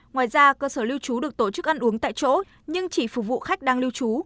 ngoài ra cơ sở lưu trú được tổ chức ăn uống tại chỗ nhưng chỉ phục vụ khách đang lưu trú